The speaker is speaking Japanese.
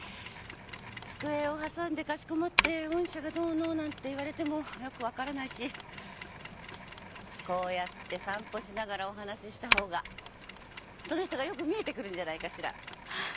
机を挟んでかしこまって「御社がどうの」なんて言われてもよく分からないしこうやって散歩しながらお話しした方がその人がよく見えてくるんじゃないかしら。